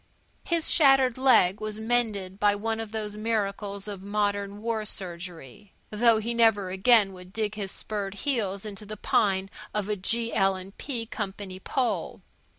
His shattered leg was mended by one of those miracles of modern war surgery, though he never again would dig his spurred heels into the pine of a G.L. & P. Company pole.